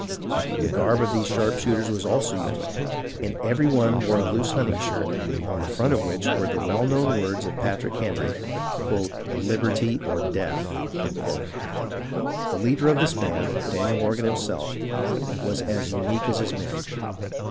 The garb of these sharpshooters was also unique, and every one wore a loose hunting shirt, on the front of which were the well known words of Patrick Henry, " Liberty or Death." The leader of this band, Daniel Morgan himself, was as unique as his men.